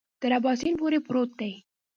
تر اباسین پورې پروت دی.